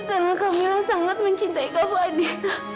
karena kak mila sangat mencintai kak fadil